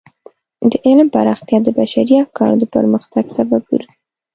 د علم پراختیا د بشري افکارو د پرمختګ سبب ګرځي.